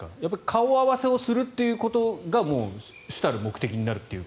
顔合わせをするっていうことが主たる目的になるという。